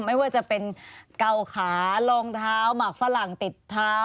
ไม่ว่าจะเป็นเกาขารองเท้าหมักฝรั่งติดเท้า